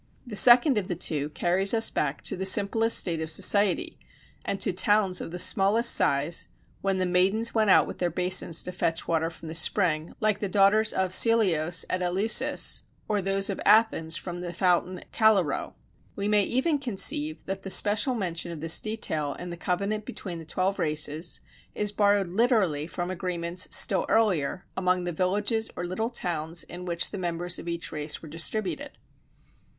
The second of the two carries us back to the simplest state of society, and to towns of the smallest size, when the maidens went out with their basins to fetch water from the spring, like the daughters of Celeos at Eleusis, or those of Athens from the fountain Callirrhoe. We may even conceive that the special mention of this detail, in the covenant between the twelve races, is borrowed literally from agreements still earlier, among the villages or little towns in which the members of each race were distributed.